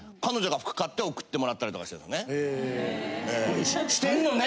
・へえ・「してんのね」